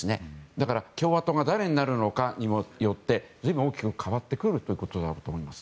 だから、共和党が誰になるのかによって随分、大きく変わってくるということだと思います。